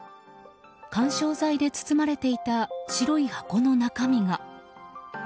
緩衝材で包まれていた白い箱の中身が。